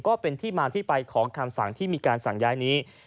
ก็เป็นที่มาที่ไปของคำสั่งที่มีการสั่งย้ายนี้